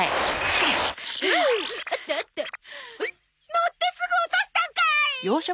乗ってすぐ落としたんかい！